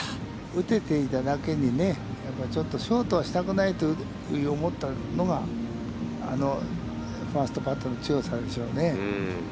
打てていただけにね、やっぱりちょっとショートはしたくないと思ったのが、あのファーストパットの強さでしょうね。